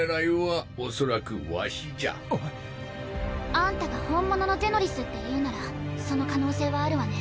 あんたが本物のゼノリスっていうならその可能性はあるわね。